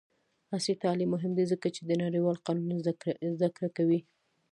عصري تعلیم مهم دی ځکه چې د نړیوال قانون زدکړه کوي.